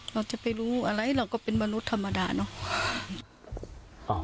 เราจะไปรู้อะไรเราก็เป็นมนุษย์ธรรมดาเนอะ